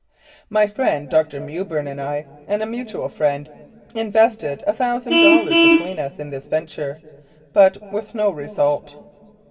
My friend Dr. Mewburn, and I, and a mutual friend, invested a thousand dollars between us in this venture, but with no result.